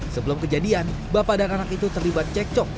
sebelum kejadian bapak dan anak itu terlibat cekcok